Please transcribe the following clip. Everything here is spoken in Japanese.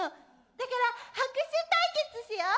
だから拍手対決しよう。